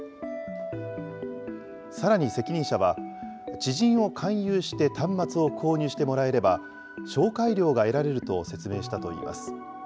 さらに責任者は、知人を勧誘して端末を購入してもらえれば、紹介料が得られると説明したといいます。